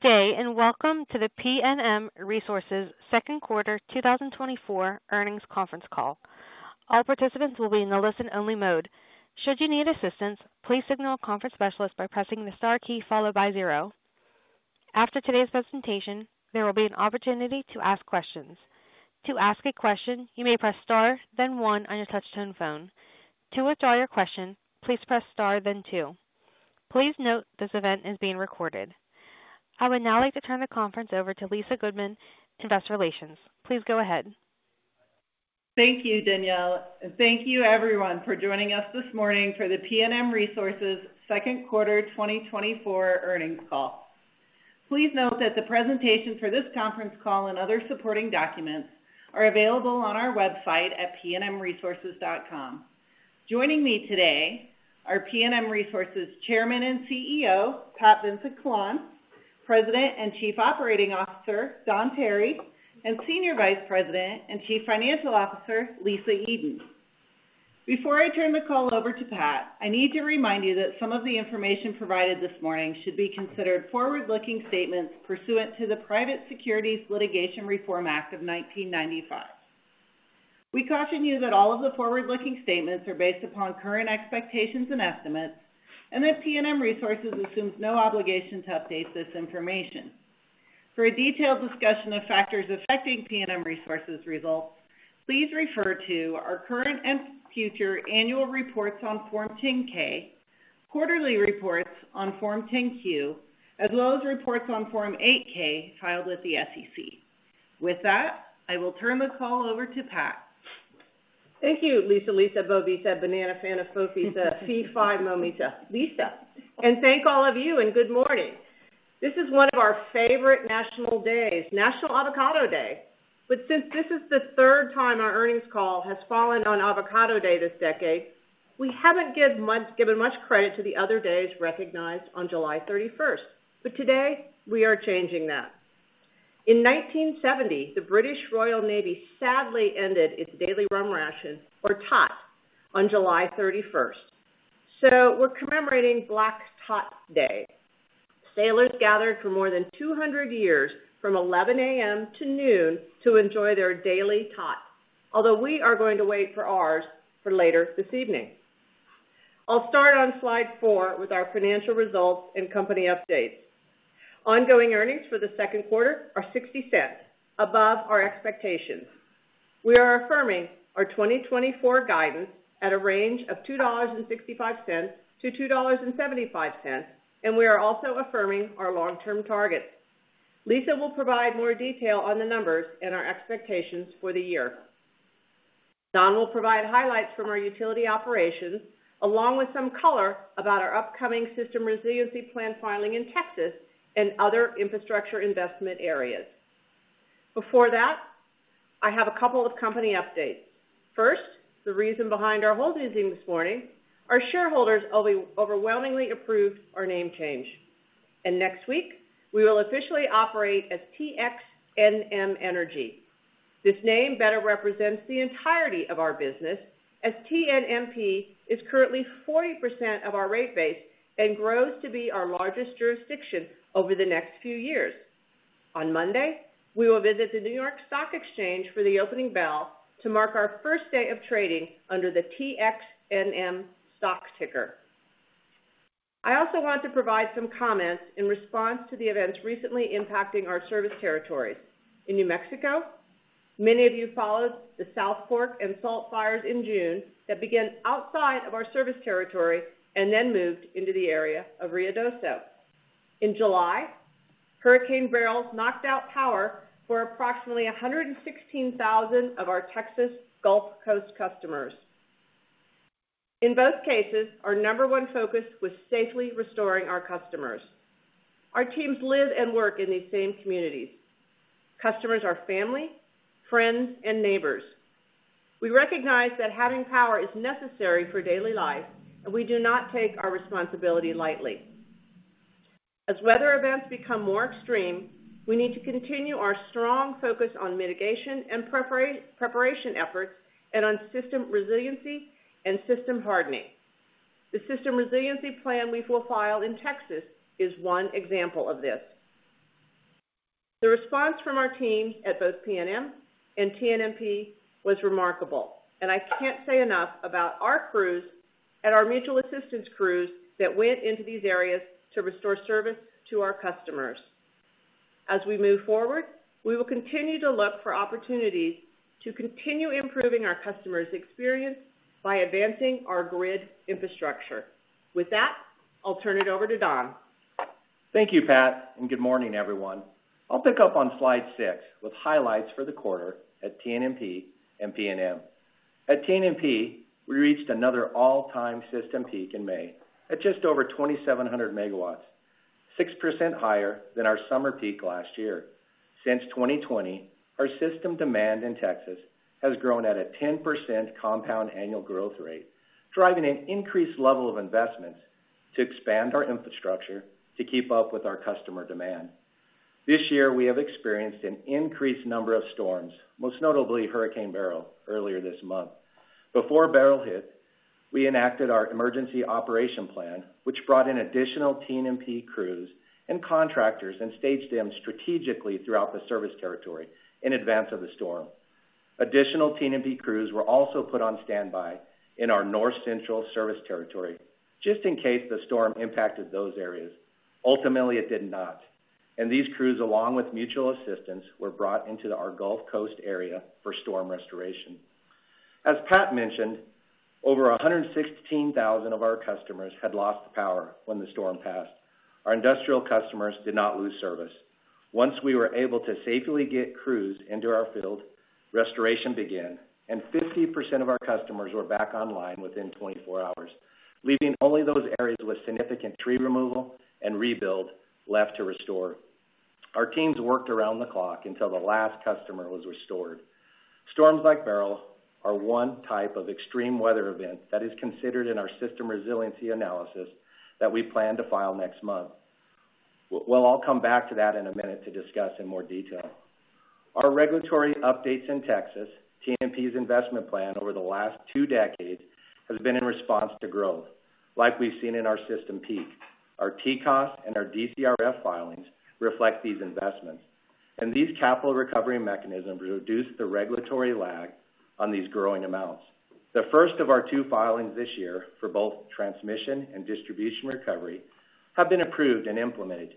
Good day and welcome to the PNM Resources Second Quarter 2024 Earnings Conference Call. All participants will be in the listen-only mode. Should you need assistance, please signal a conference specialist by pressing the star key followed by zero. After today's presentation, there will be an opportunity to ask questions. To ask a question, you may press star, then one on your touch-tone phone. To withdraw your question, please press star, then two. Please note this event is being recorded. I would now like to turn the conference over to Lisa Goodman, Investor Relations. Please go ahead. Thank you, Danielle. And thank you, everyone, for joining us this morning for the PNM Resources Second Quarter 2024 Earnings Call. Please note that the presentation for this conference call and other supporting documents are available on our website at pnmresources.com. Joining me today are PNM Resources Chairman and CEO, Pat Vincent-Collawn, President and Chief Operating Officer, Don Tarry, and Senior Vice President and Chief Financial Officer, Lisa Eden. Before I turn the call over to Pat, I need to remind you that some of the information provided this morning should be considered forward-looking statements pursuant to the Private Securities Litigation Reform Act of 1995. We caution you that all of the forward-looking statements are based upon current expectations and estimates, and that PNM Resources assumes no obligation to update this information. For a detailed discussion of factors affecting PNM Resources' results, please refer to our current and future annual reports on Form 10-K, quarterly reports on Form 10-Q, as well as reports on Form 8-K filed with the SEC. With that, I will turn the call over to Pat. Thank you, Lisa, Lisa, bobisa, banana, fana, fofisa, fi, fi, momisa, Lisa. And thank all of you, and good morning. This is one of our favorite national days, National Avocado Day. But since this is the third time our earnings call has fallen on Avocado Day this decade, we haven't given much credit to the other days recognized on July 31st. But today, we are changing that. In 1970, the British Royal Navy sadly ended its daily rum ration, or tot, on July 31st. So we're commemorating Black Tot Day. Sailors gathered for more than 200 years from 11:00 A.M. to noon to enjoy their daily tot, although we are going to wait for ours for later this evening. I'll start on slide four with our financial results and company updates. Ongoing earnings for the second quarter are $0.60, above our expectations. We are affirming our 2024 guidance at a range of $2.65-$2.75, and we are also affirming our long-term targets. Lisa will provide more detail on the numbers and our expectations for the year. Don will provide highlights from our utility operations, along with some color about our upcoming System Resiliency Plan filing in Texas and other infrastructure investment areas. Before that, I have a couple of company updates. First, the reason behind our hold music this morning: our shareholders overwhelmingly approved our name change. Next week, we will officially operate as TXNM Energy. This name better represents the entirety of our business, as TNMP is currently 40% of our rate base and grows to be our largest jurisdiction over the next few years. On Monday, we will visit the New York Stock Exchange for the opening bell to mark our first day of trading under the TXNM stock ticker. I also want to provide some comments in response to the events recently impacting our service territories. In New Mexico, many of you followed the South Fork and Salt Fires in June that began outside of our service territory and then moved into the area of Ruidoso. In July, Hurricane Beryl knocked out power for approximately 116,000 of our Texas Gulf Coast customers. In both cases, our number one focus was safely restoring our customers. Our teams live and work in these same communities. Customers are family, friends, and neighbors. We recognize that having power is necessary for daily life, and we do not take our responsibility lightly. As weather events become more extreme, we need to continue our strong focus on mitigation and preparation efforts and on system resiliency and system hardening. The system resiliency plan we will file in Texas is one example of this. The response from our teams at both PNM and TNMP was remarkable, and I can't say enough about our crews and our mutual assistance crews that went into these areas to restore service to our customers. As we move forward, we will continue to look for opportunities to continue improving our customers' experience by advancing our grid infrastructure. With that, I'll turn it over to Don. Thank you, Pat, and good morning, everyone. I'll pick up on slide 6 with highlights for the quarter at TNMP and PNM. At TNMP, we reached another all-time system peak in May at just over 2,700 MW, 6% higher than our summer peak last year. Since 2020, our system demand in Texas has grown at a 10% compound annual growth rate, driving an increased level of investments to expand our infrastructure to keep up with our customer demand. This year, we have experienced an increased number of storms, most notably Hurricane Beryl, earlier this month. Before Beryl hit, we enacted our emergency operation plan, which brought in additional TNMP crews and contractors and staged them strategically throughout the service territory in advance of the storm. Additional TNMP crews were also put on standby in our north-central service territory, just in case the storm impacted those areas. Ultimately, it did not. These crews, along with mutual assistance, were brought into our Gulf Coast area for storm restoration. As Pat mentioned, over 116,000 of our customers had lost power when the storm passed. Our industrial customers did not lose service. Once we were able to safely get crews into our field, restoration began, and 50% of our customers were back online within 24 hours, leaving only those areas with significant tree removal and rebuild left to restore. Our teams worked around the clock until the last customer was restored. Storms like Beryl are one type of extreme weather event that is considered in our system resiliency analysis that we plan to file next month. Well, I'll come back to that in a minute to discuss in more detail. Our regulatory updates in Texas, TNMP's investment plan over the last two decades, have been in response to growth, like we've seen in our system peak. Our TCOS and our DCRF filings reflect these investments, and these capital recovery mechanisms reduce the regulatory lag on these growing amounts. The first of our two filings this year for both transmission and distribution recovery have been approved and implemented,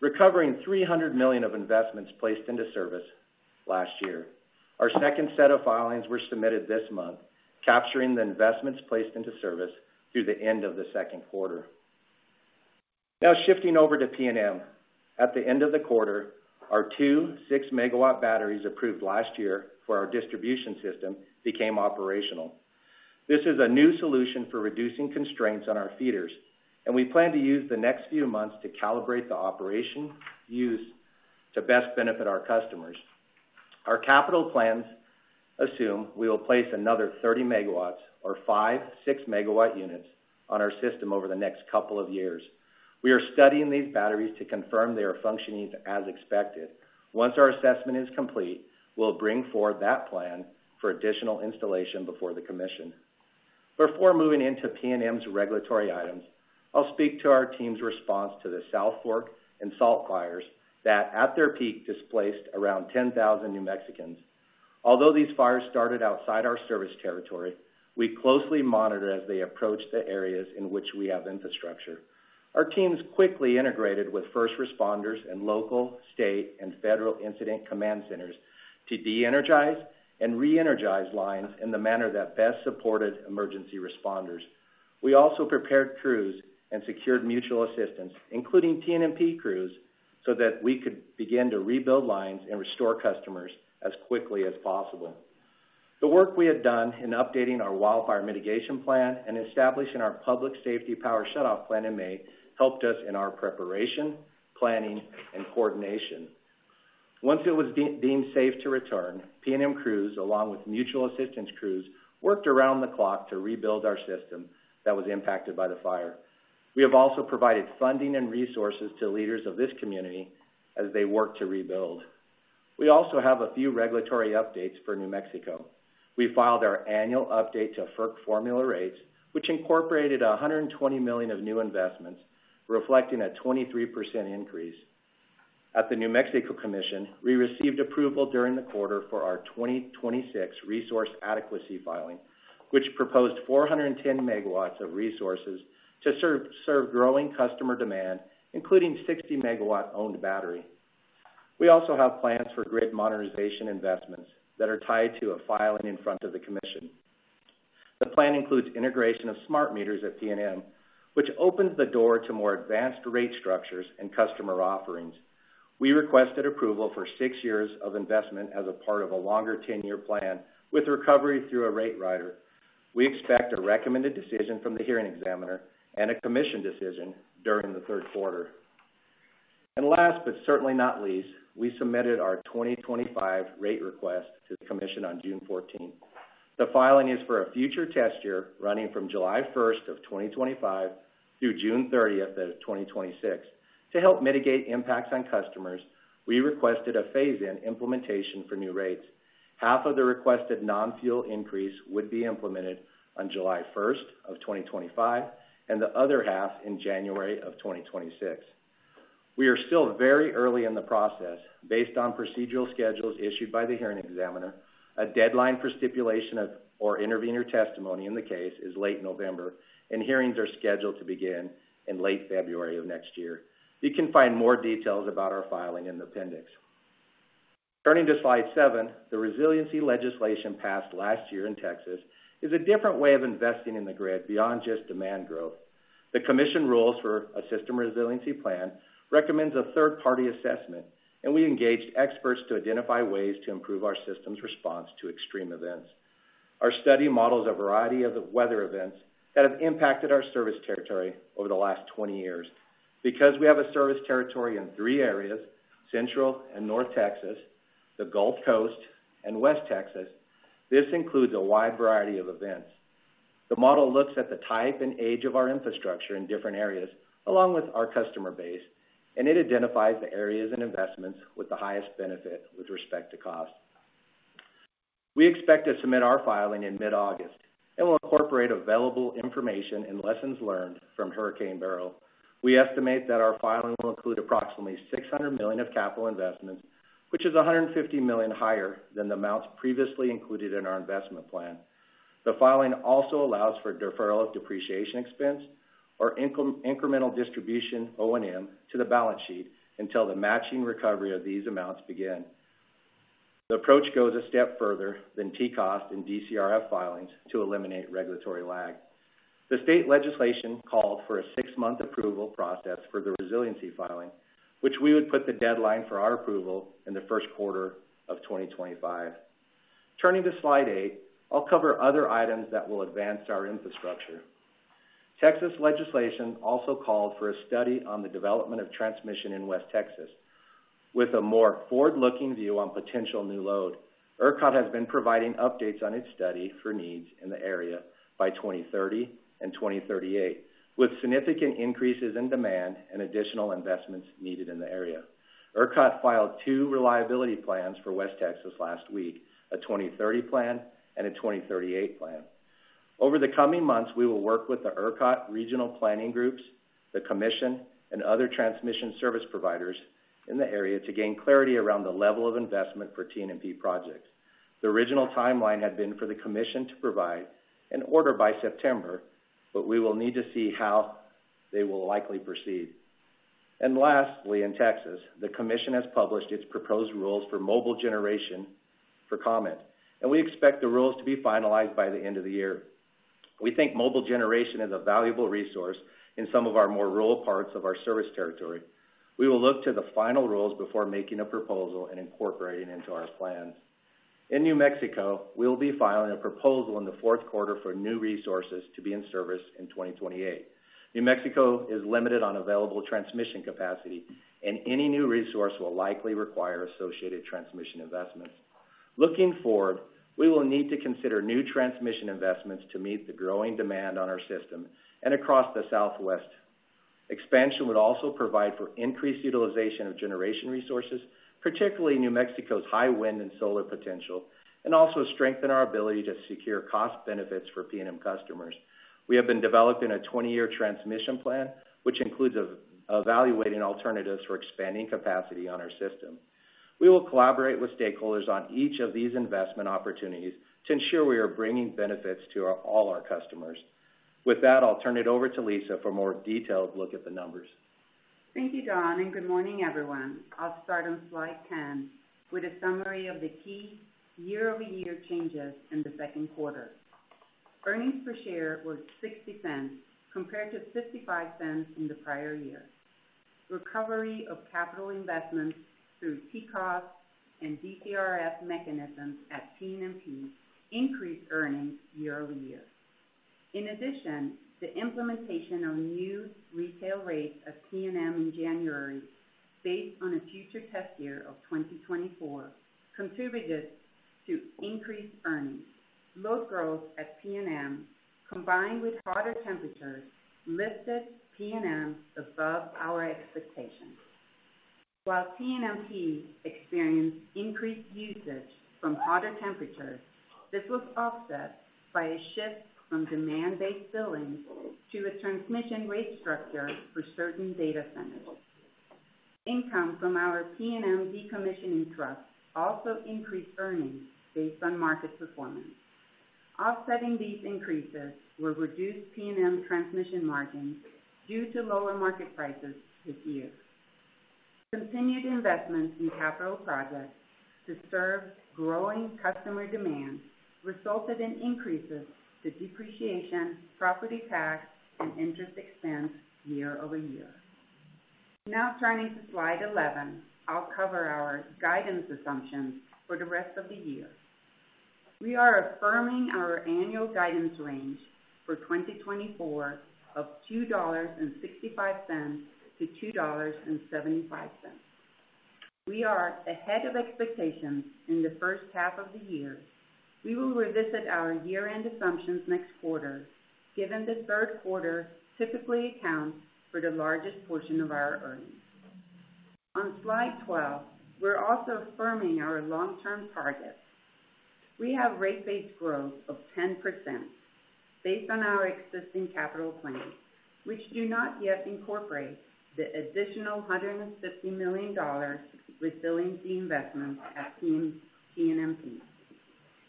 recovering $300 million of investments placed into service last year. Our second set of filings were submitted this month, capturing the investments placed into service through the end of the second quarter. Now, shifting over to PNM, at the end of the quarter, our two 6-MW batteries approved last year for our distribution system became operational. This is a new solution for reducing constraints on our feeders, and we plan to use the next few months to calibrate the operation used to best benefit our customers. Our capital plans assume we will place another 30 MW, or five 6-MW units, on our system over the next couple of years. We are studying these batteries to confirm they are functioning as expected. Once our assessment is complete, we'll bring forward that plan for additional installation before the commission. Before moving into PNM's regulatory items, I'll speak to our team's response to the South Fork and Salt Fires that, at their peak, displaced around 10,000 New Mexicans. Although these fires started outside our service territory, we closely monitor as they approach the areas in which we have infrastructure. Our teams quickly integrated with first responders and local, state, and federal incident command centers to de-energize and re-energize lines in the manner that best supported emergency responders. We also prepared crews and secured mutual assistance, including TNMP crews, so that we could begin to rebuild lines and restore customers as quickly as possible. The work we had done in updating our wildfire mitigation plan and establishing our public safety power shutoff plan in May helped us in our preparation, planning, and coordination. Once it was deemed safe to return, PNM crews, along with mutual assistance crews, worked around the clock to rebuild our system that was impacted by the fire. We have also provided funding and resources to leaders of this community as they work to rebuild. We also have a few regulatory updates for New Mexico. We filed our annual update to FERC formula rates, which incorporated $120 million of new investments, reflecting a 23% increase. At the New Mexico Commission, we received approval during the quarter for our 2026 resource adequacy filing, which proposed 410 MW of resources to serve growing customer demand, including 60-MW owned battery. We also have plans for grid modernization investments that are tied to a filing in front of the Commission. The plan includes integration of smart meters at PNM, which opens the door to more advanced rate structures and customer offerings. We requested approval for six years of investment as a part of a longer 10-year plan with recovery through a rate rider. We expect a recommended decision from the hearing examiner and a commission decision during the third quarter. And last, but certainly not least, we submitted our 2025 rate request to the Commission on June 14th. The filing is for a future test year running from July 1st of 2025 through June 30th of 2026. To help mitigate impacts on customers, we requested a phase-in implementation for new rates. Half of the requested non-fuel increase would be implemented on July 1st of 2025, and the other half in January of 2026. We are still very early in the process. Based on procedural schedules issued by the hearing examiner, a deadline for stipulation of or intervenor testimony in the case is late November, and hearings are scheduled to begin in late February of next year. You can find more details about our filing in the appendix. Turning to slide 7, the resiliency legislation passed last year in Texas is a different way of investing in the grid beyond just demand growth. The Commission rules for a system resiliency plan recommends a third-party assessment, and we engaged experts to identify ways to improve our system's response to extreme events. Our study models a variety of weather events that have impacted our service territory over the last 20 years. Because we have a service territory in three areas: Central and North Texas, the Gulf Coast, and West Texas, this includes a wide variety of events. The model looks at the type and age of our infrastructure in different areas, along with our customer base, and it identifies the areas and investments with the highest benefit with respect to cost. We expect to submit our filing in mid-August and will incorporate available information and lessons learned from Hurricane Beryl. We estimate that our filing will include approximately $600 million of capital investments, which is $150 million higher than the amounts previously included in our investment plan. The filing also allows for deferral of depreciation expense or incremental distribution, O&M, to the balance sheet until the matching recovery of these amounts begin. The approach goes a step further than TCOS and DCRF filings to eliminate regulatory lag. The state legislation called for a 6-month approval process for the resiliency filing, which we would put the deadline for our approval in the first quarter of 2025. Turning to slide 8, I'll cover other items that will advance our infrastructure. Texas legislation also called for a study on the development of transmission in West Texas. With a more forward-looking view on potential new load, ERCOT has been providing updates on its study for needs in the area by 2030 and 2038, with significant increases in demand and additional investments needed in the area. ERCOT filed two reliability plans for West Texas last week, a 2030 plan and a 2038 plan. Over the coming months, we will work with the ERCOT regional planning groups, the Commission, and other transmission service providers in the area to gain clarity around the level of investment for TNMP projects. The original timeline had been for the Commission to provide an order by September, but we will need to see how they will likely proceed. Lastly, in Texas, the Commission has published its proposed rules for mobile generation for comment, and we expect the rules to be finalized by the end of the year. We think mobile generation is a valuable resource in some of our more rural parts of our service territory. We will look to the final rules before making a proposal and incorporating it into our plans. In New Mexico, we'll be filing a proposal in the fourth quarter for new resources to be in service in 2028. New Mexico is limited on available transmission capacity, and any new resource will likely require associated transmission investments. Looking forward, we will need to consider new transmission investments to meet the growing demand on our system and across the Southwest. Expansion would also provide for increased utilization of generation resources, particularly New Mexico's high wind and solar potential, and also strengthen our ability to secure cost benefits for PNM customers. We have been developing a 20-year transmission plan, which includes evaluating alternatives for expanding capacity on our system. We will collaborate with stakeholders on each of these investment opportunities to ensure we are bringing benefits to all our customers. With that, I'll turn it over to Lisa for a more detailed look at the numbers. Thank you, Don, and good morning, everyone. I'll start on slide 10 with a summary of the key year-over-year changes in the second quarter. Earnings per share was $0.60 compared to $0.55 in the prior year. Recovery of capital investments through TCOS and DCRF mechanisms at TNMP increased earnings year-over-year. In addition, the implementation of new retail rates at PNM in January, based on a future test year of 2024, contributed to increased earnings. Load growth at PNM, combined with hotter temperatures, lifted PNM above our expectations. While TNMP experienced increased usage from hotter temperatures, this was offset by a shift from demand-based billing to a transmission rate structure for certain data centers. Income from our PNM decommissioning trust also increased earnings based on market performance. Offsetting these increases were reduced PNM transmission margins due to lower market prices this year. Continued investments in capital projects to serve growing customer demand resulted in increases to depreciation, property tax, and interest expense year-over-year. Now, turning to slide 11, I'll cover our guidance assumptions for the rest of the year. We are affirming our annual guidance range for 2024 of $2.65-$2.75. We are ahead of expectations in the first half of the year. We will revisit our year-end assumptions next quarter, given the third quarter typically accounts for the largest portion of our earnings. On slide 12, we're also affirming our long-term target. We have rate-based growth of 10% based on our existing capital plans, which do not yet incorporate the additional $150 million resiliency investments at TNMP.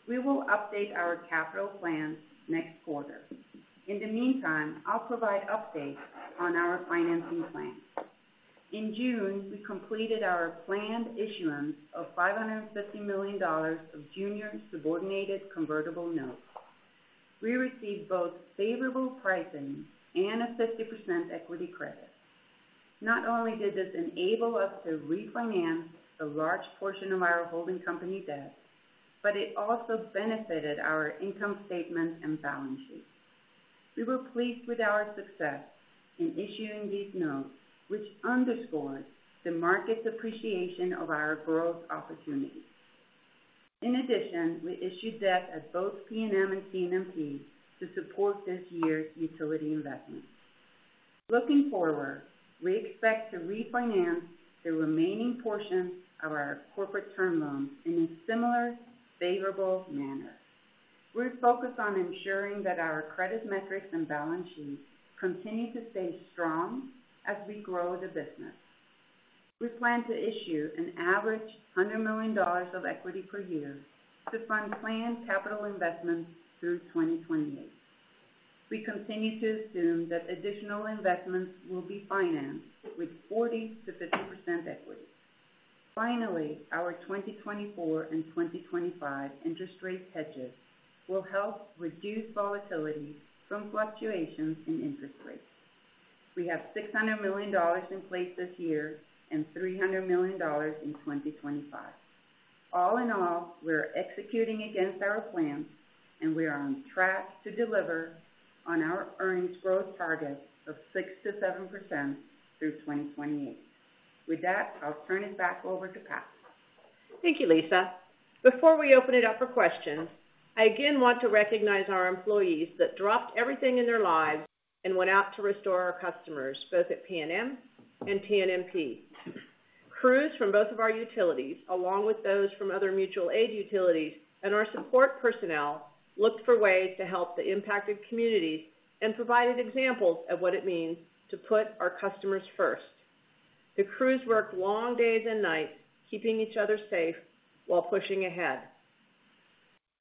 We will update our capital plans next quarter. In the meantime, I'll provide updates on our financing plan. In June, we completed our planned issuance of $550 million of junior subordinated convertible notes. We received both favorable pricing and a 50% equity credit. Not only did this enable us to refinance a large portion of our holding company debt, but it also benefited our income statements and balance sheets. We were pleased with our success in issuing these notes, which underscored the market's appreciation of our growth opportunities. In addition, we issued debt at both PNM and TNMP to support this year's utility investments. Looking forward, we expect to refinance the remaining portion of our corporate term loans in a similar favorable manner. We focus on ensuring that our credit metrics and balance sheets continue to stay strong as we grow the business. We plan to issue an average $100 million of equity per year to fund planned capital investments through 2028. We continue to assume that additional investments will be financed with 40%-50% equity. Finally, our 2024 and 2025 interest rate hedges will help reduce volatility from fluctuations in interest rates. We have $600 million in place this year and $300 million in 2025. All in all, we're executing against our plans, and we are on track to deliver on our earnings growth target of 6%-7% through 2028. With that, I'll turn it back over to Pat. Thank you, Lisa. Before we open it up for questions, I again want to recognize our employees that dropped everything in their lives and went out to restore our customers, both at PNM and TNMP. Crews from both of our utilities, along with those from other mutual aid utilities and our support personnel, looked for ways to help the impacted communities and provided examples of what it means to put our customers first. The crews worked long days and nights, keeping each other safe while pushing ahead.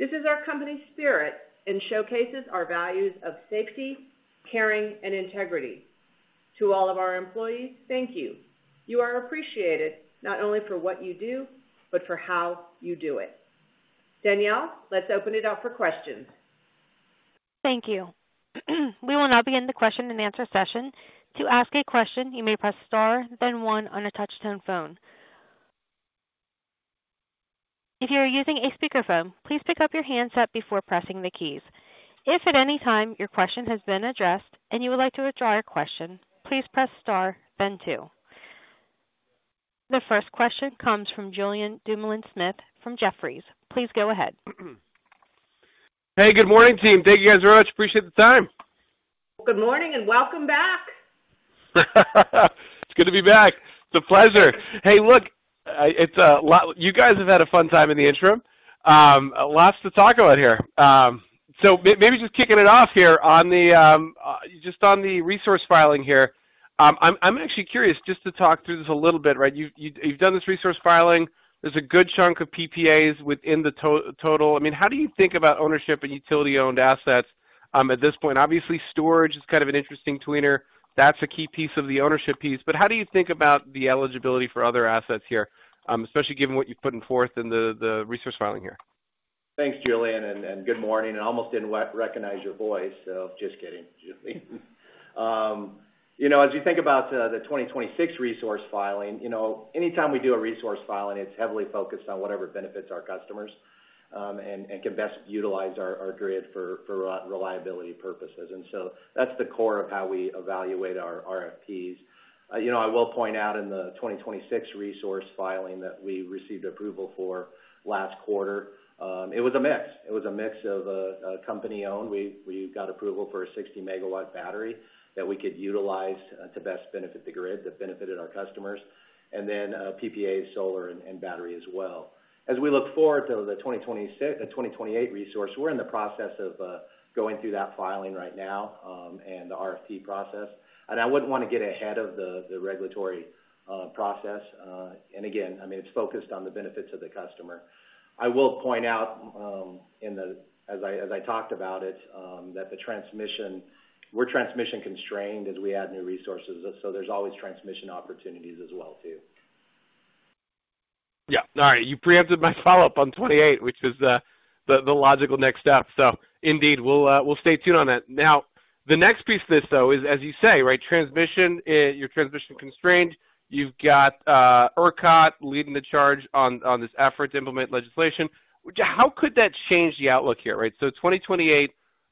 This is our company spirit and showcases our values of safety, caring, and integrity. To all of our employees, thank you. You are appreciated not only for what you do, but for how you do it. Danielle, let's open it up for questions. Thank you. We will now begin the question and answer session. To ask a question, you may press star, then one on a touch-tone phone. If you are using a speakerphone, please pick up your handset before pressing the keys. If at any time your question has been addressed and you would like to withdraw your question, please press star, then two. The first question comes from Julien Dumolin-Smith from Jefferies. Please go ahead. Hey, good morning, team. Thank you guys very much. Appreciate the time. Good morning and welcome back. It's good to be back. It's a pleasure. Hey, look, you guys have had a fun time in the interim. Lots to talk about here. So maybe just kicking it off here on just the resource filing here, I'm actually curious just to talk through this a little bit. You've done this resource filing. There's a good chunk of PPAs within the total. I mean, how do you think about ownership and utility-owned assets at this point? Obviously, storage is kind of an interesting sweetener. That's a key piece of the ownership piece. But how do you think about the eligibility for other assets here, especially given what you've put forth in the resource filing here? Thanks, Julien, and good morning. I almost didn't recognize your voice, so just kidding, Julien. As you think about the 2026 resource filing, anytime we do a resource filing, it's heavily focused on whatever benefits our customers and can best utilize our grid for reliability purposes. And so that's the core of how we evaluate our RFPs. I will point out in the 2026 resource filing that we received approval for last quarter. It was a mix. It was a mix of company-owned. We got approval for a 60-MW battery that we could utilize to best benefit the grid that benefited our customers, and then PPAs, solar, and battery as well. As we look forward to the 2026 and 2028 resource, we're in the process of going through that filing right now and the RFP process. And I wouldn't want to get ahead of the regulatory process. And again, I mean, it's focused on the benefits of the customer. I will point out, as I talked about it, that we're transmission-constrained as we add new resources, so there's always transmission opportunities as well, too. Yeah. All right. You preempted my follow-up on 28, which was the logical next step. So indeed, we'll stay tuned on that. Now, the next piece of this, though, is, as you say, you're transmission-constrained. You've got ERCOT leading the charge on this effort to implement legislation. How could that change the outlook here? So 2028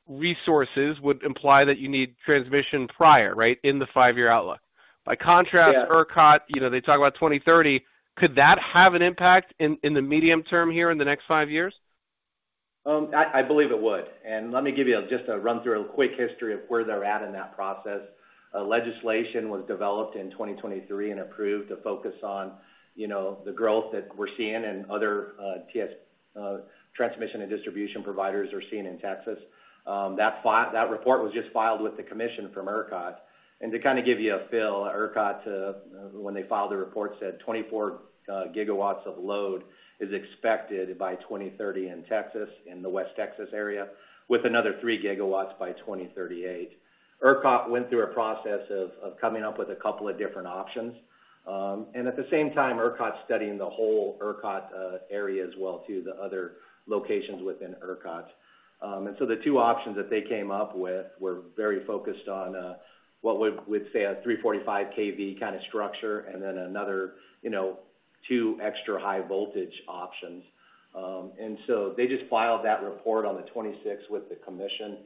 resources would imply that you need transmission prior in the five-year outlook. By contrast, ERCOT, they talk about 2030. Could that have an impact in the medium term here in the next five years? I believe it would. Let me give you just a run-through, a quick history of where they're at in that process. Legislation was developed in 2023 and approved to focus on the growth that we're seeing and other transmission and distribution providers are seeing in Texas. That report was just filed with the Commission from ERCOT. To kind of give you a feel, ERCOT, when they filed the report, said 24 GW of load is expected by 2030 in Texas in the West Texas area, with another 3 GW by 2038. ERCOT went through a process of coming up with a couple of different options. At the same time, ERCOT's studying the whole ERCOT area as well, too, the other locations within ERCOT. The two options that they came up with were very focused on what we would say a 345 kV kind of structure and then another two extra high voltage options. They just filed that report on the 26th with the Commission,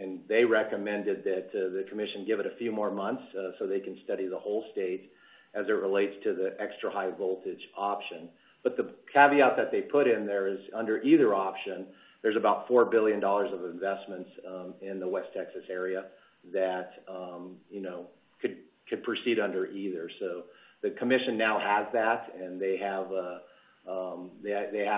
and they recommended that the Commission give it a few more months so they can study the whole state as it relates to the extra high voltage option. The caveat that they put in there is under either option, there's about $4 billion of investments in the West Texas area that could proceed under either. The Commission now has that, and they have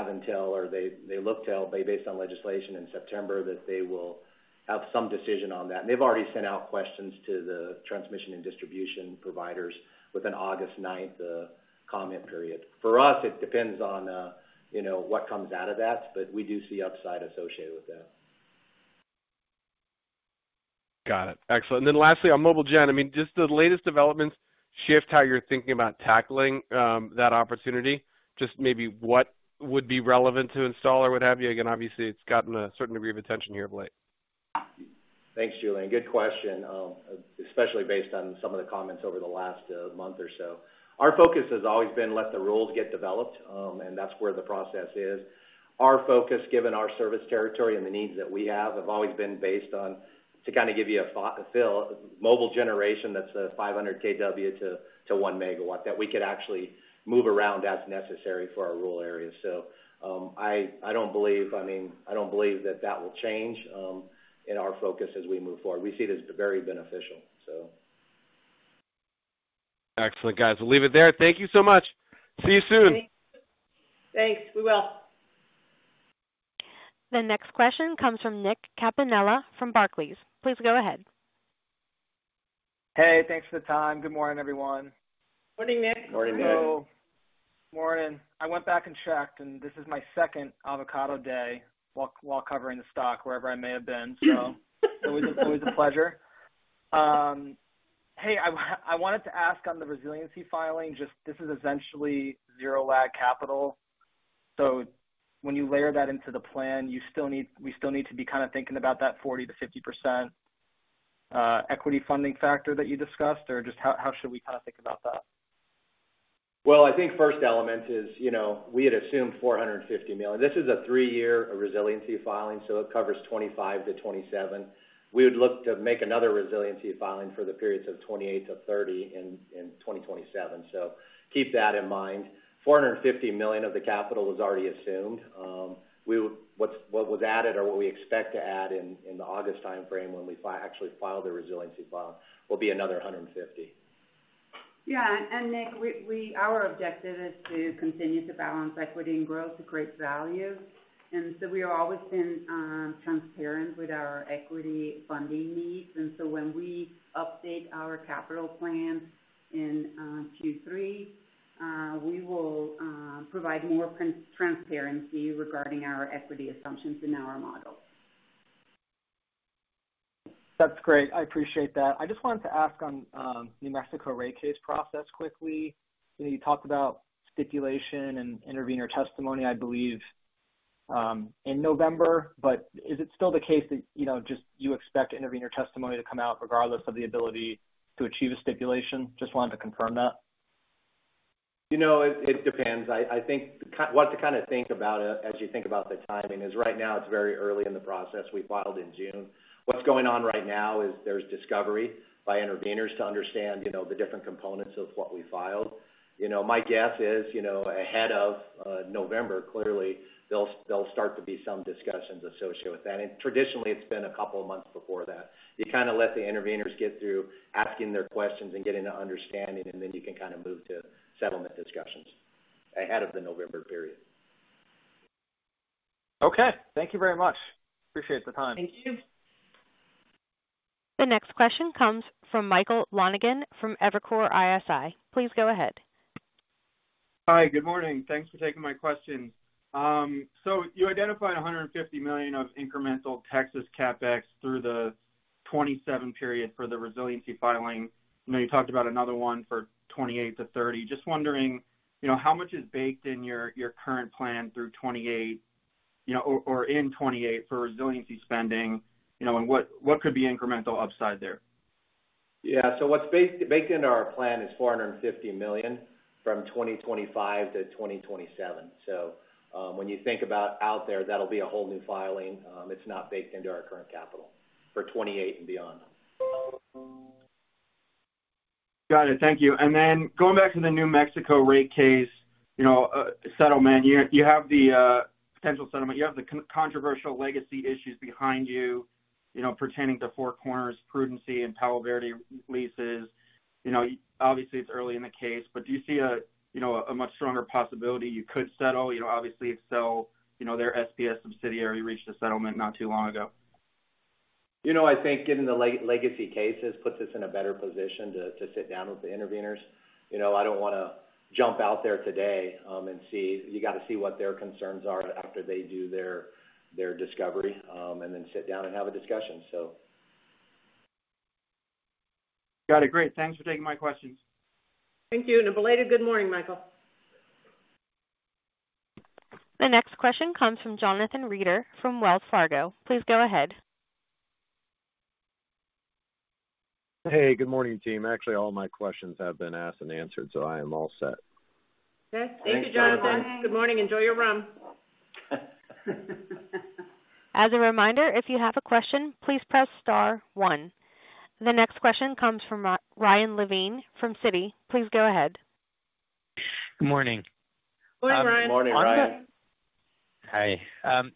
until or they look to, based on legislation in September, that they will have some decision on that. They've already sent out questions to the transmission and distribution providers with an August 9th comment period. For us, it depends on what comes out of that, but we do see upside associated with that. Got it. Excellent. And then lastly, on mobile gen, I mean, just the latest developments shift how you're thinking about tackling that opportunity. Just maybe what would be relevant to install or what have you? Again, obviously, it's gotten a certain degree of attention here of late. Thanks, Julien. Good question, especially based on some of the comments over the last month or so. Our focus has always been let the rules get developed, and that's where the process is. Our focus, given our service territory and the needs that we have, have always been based on, to kind of give you a feel, mobile generation that's a 500 kW-1 MW that we could actually move around as necessary for our rural areas. So I don't believe I mean, I don't believe that that will change in our focus as we move forward. We see it as very beneficial, so. Excellent, guys. We'll leave it there. Thank you so much. See you soon. Thanks. We will. The next question comes from Nick Campanella from Barclays. Please go ahead. Hey, thanks for the time. Good morning, everyone. Morning, Nick. Morning, Nick. Hello. Good morning. I went back and checked, and this is my second avocado day while covering the stock wherever I may have been, so it was a pleasure. Hey, I wanted to ask on the resiliency filing, just this is essentially zero-lag capital. So when you layer that into the plan, we still need to be kind of thinking about that 40%-50% equity funding factor that you discussed, or just how should we kind of think about that? Well, I think first element is we had assumed $450 million. This is a three-year resiliency filing, so it covers 2025-2027. We would look to make another resiliency filing for the periods of 2028-2030 in 2027. So keep that in mind. $450 million of the capital was already assumed. What was added or what we expect to add in the August timeframe when we actually file the resiliency file will be another $150 million. Yeah. And Nick, our objective is to continue to balance equity and growth to create value. And so we have always been transparent with our equity funding needs. And so when we update our capital plan in Q3, we will provide more transparency regarding our equity assumptions in our model. That's great. I appreciate that. I just wanted to ask on the New Mexico rate case process quickly. You talked about stipulation and intervenor testimony, I believe, in November. But is it still the case that just you expect intervenor testimony to come out regardless of the ability to achieve a stipulation? Just wanted to confirm that. It depends. I think what to kind of think about as you think about the timing is right now, it's very early in the process. We filed in June. What's going on right now is there's discovery by intervenors to understand the different components of what we filed. My guess is ahead of November, clearly, there'll start to be some discussions associated with that. Traditionally, it's been a couple of months before that. You kind of let the intervenors get through asking their questions and getting an understanding, and then you can kind of move to settlement discussions ahead of the November period. Okay. Thank you very much. Appreciate the time. Thank you. The next question comes from Michael Lonegan from Evercore ISI. Please go ahead. Hi, good morning. Thanks for taking my question. So you identified $150 million of incremental Texas CapEx through the 2027 period for the resiliency filing. You talked about another one for 2028 to 2030. Just wondering, how much is baked in your current plan through 2028 or in 2028 for resiliency spending, and what could be incremental upside there? Yeah. So what's baked into our plan is $450 million from 2025 to 2027. So when you think about out there, that'll be a whole new filing. It's not baked into our current capital for 2028 and beyond. Got it. Thank you. And then going back to the New Mexico rate case settlement, you have the potential settlement. You have the controversial legacy issues behind you pertaining to Four Corners' prudence and Palo Verde leases. Obviously, it's early in the case, but do you see a much stronger possibility you could settle? Obviously, if so, their SPS subsidiary reached a settlement not too long ago. I think getting the legacy cases puts us in a better position to sit down with the intervenors. I don't want to jump out there today and see you got to see what their concerns are after they do their discovery and then sit down and have a discussion, so. Got it. Great. Thanks for taking my questions. Thank you. And a belated good morning, Michael. The next question comes from Jonathan Reeder from Wells Fargo. Please go ahead. Hey, good morning, team. Actually, all my questions have been asked and answered, so I am all set. Thank you, Jonathan. Good morning. Enjoy your rum. As a reminder, if you have a question, please press star one. The next question comes from Ryan Levine from Citi. Please go ahead. Good morning. Morning, Ryan. Good morning, Ryan. Hi.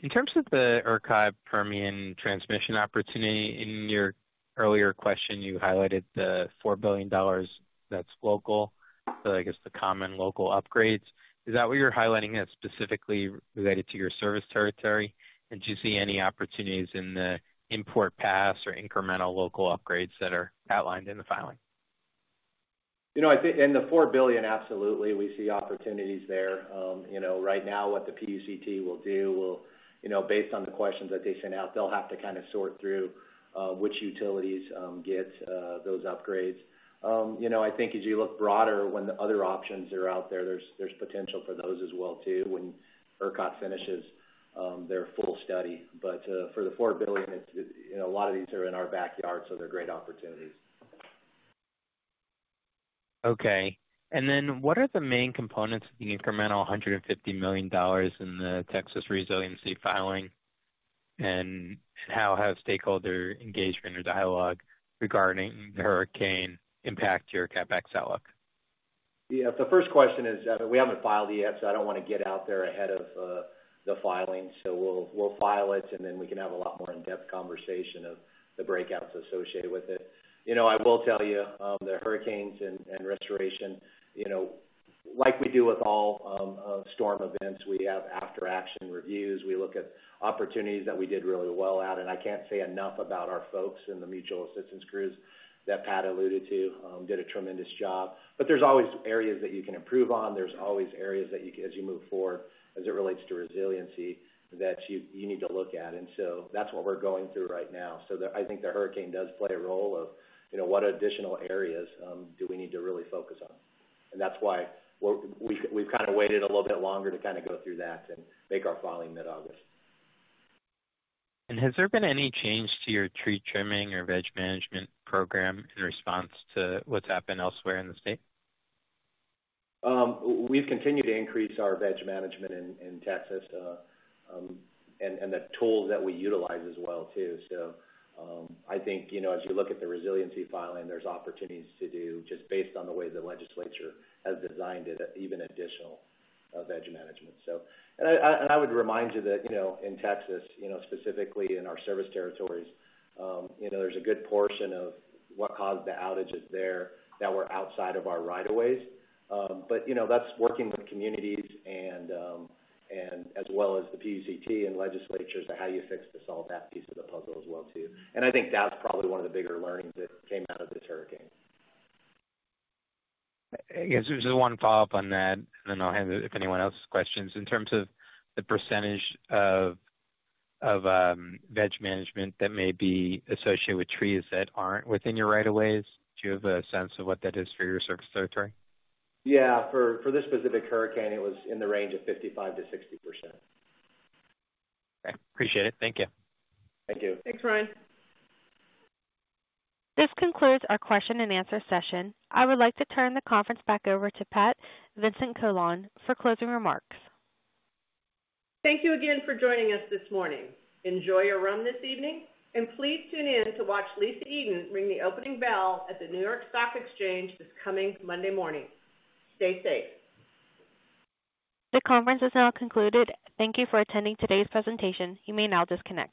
In terms of the ERCOT Permian transmission opportunity, in your earlier question, you highlighted the $4 billion that's local, so I guess the common local upgrades. Is that what you're highlighting as specifically related to your service territory? And do you see any opportunities in the import pass or incremental local upgrades that are outlined in the filing? In the $4 billion, absolutely, we see opportunities there. Right now, what the PUCT will do, based on the questions that they send out, they'll have to kind of sort through which utilities get those upgrades. I think as you look broader, when the other options are out there, there's potential for those as well, too, when ERCOT finishes their full study. But for the $4 billion, a lot of these are in our backyard, so they're great opportunities. Okay. And then what are the main components of the incremental $150 million in the Texas resiliency filing? And how has stakeholder engagement or dialogue regarding the hurricane impact your CapEx outlook? Yeah. The first question is, we haven't filed yet, so I don't want to get out there ahead of the filing. So we'll file it, and then we can have a lot more in-depth conversation of the breakouts associated with it. I will tell you, the hurricanes and restoration, like we do with all storm events, we have after-action reviews. We look at opportunities that we did really well at. And I can't say enough about our folks in the mutual assistance crews that Pat alluded to did a tremendous job. But there's always areas that you can improve on. There's always areas that, as you move forward, as it relates to resiliency, that you need to look at. And so that's what we're going through right now. So I think the hurricane does play a role of what additional areas do we need to really focus on. That's why we've kind of waited a little bit longer to kind of go through that and make our filing mid-August. Has there been any change to your tree trimming or veg management program in response to what's happened elsewhere in the state? We've continued to increase our veg management in Texas and the tools that we utilize as well, too. So I think as you look at the resiliency filing, there's opportunities to do, just based on the way the legislature has designed it, even additional veg management, so. And I would remind you that in Texas, specifically in our service territories, there's a good portion of what caused the outages there that were outside of our rights-of-way. But that's working with communities as well as the PUCT and legislature to how you fix this all, that piece of the puzzle as well, too. And I think that's probably one of the bigger learnings that came out of this hurricane. I guess there's one follow-up on that, and then I'll hand it to if anyone else has questions. In terms of the percentage of veg management that may be associated with trees that aren't within your right-of-ways, do you have a sense of what that is for your service territory? Yeah. For this specific hurricane, it was in the range of 55%-60%. Okay. Appreciate it. Thank you. Thank you. Thanks, Ryan. This concludes our question-and-answer session. I would like to turn the conference back over to Pat Vincent-Collawn for closing remarks. Thank you again for joining us this morning. Enjoy your rum this evening, and please tune in to watch Lisa Eden ring the opening bell at the New York Stock Exchange this coming Monday morning. Stay safe. The conference has now concluded. Thank you for attending today's presentation. You may now disconnect.